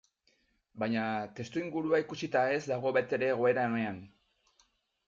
Baina testuingurua ikusita ez dago batere egoera onean.